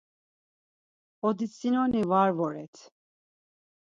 Oditsinoni var voret.